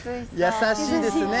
優しいですね。